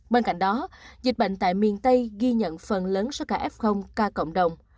bên cạnh đó dịch bệnh tại miền tây ghi nhận phần lớn số ca f cộng đồng